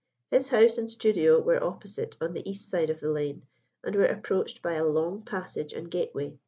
His house and studio were opposite on the east side of the lane, and were approached by a long passage and gateway.